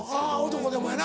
男でもやな。